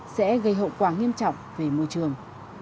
sẽ gây hậu quả nghiêm trọng về môi trường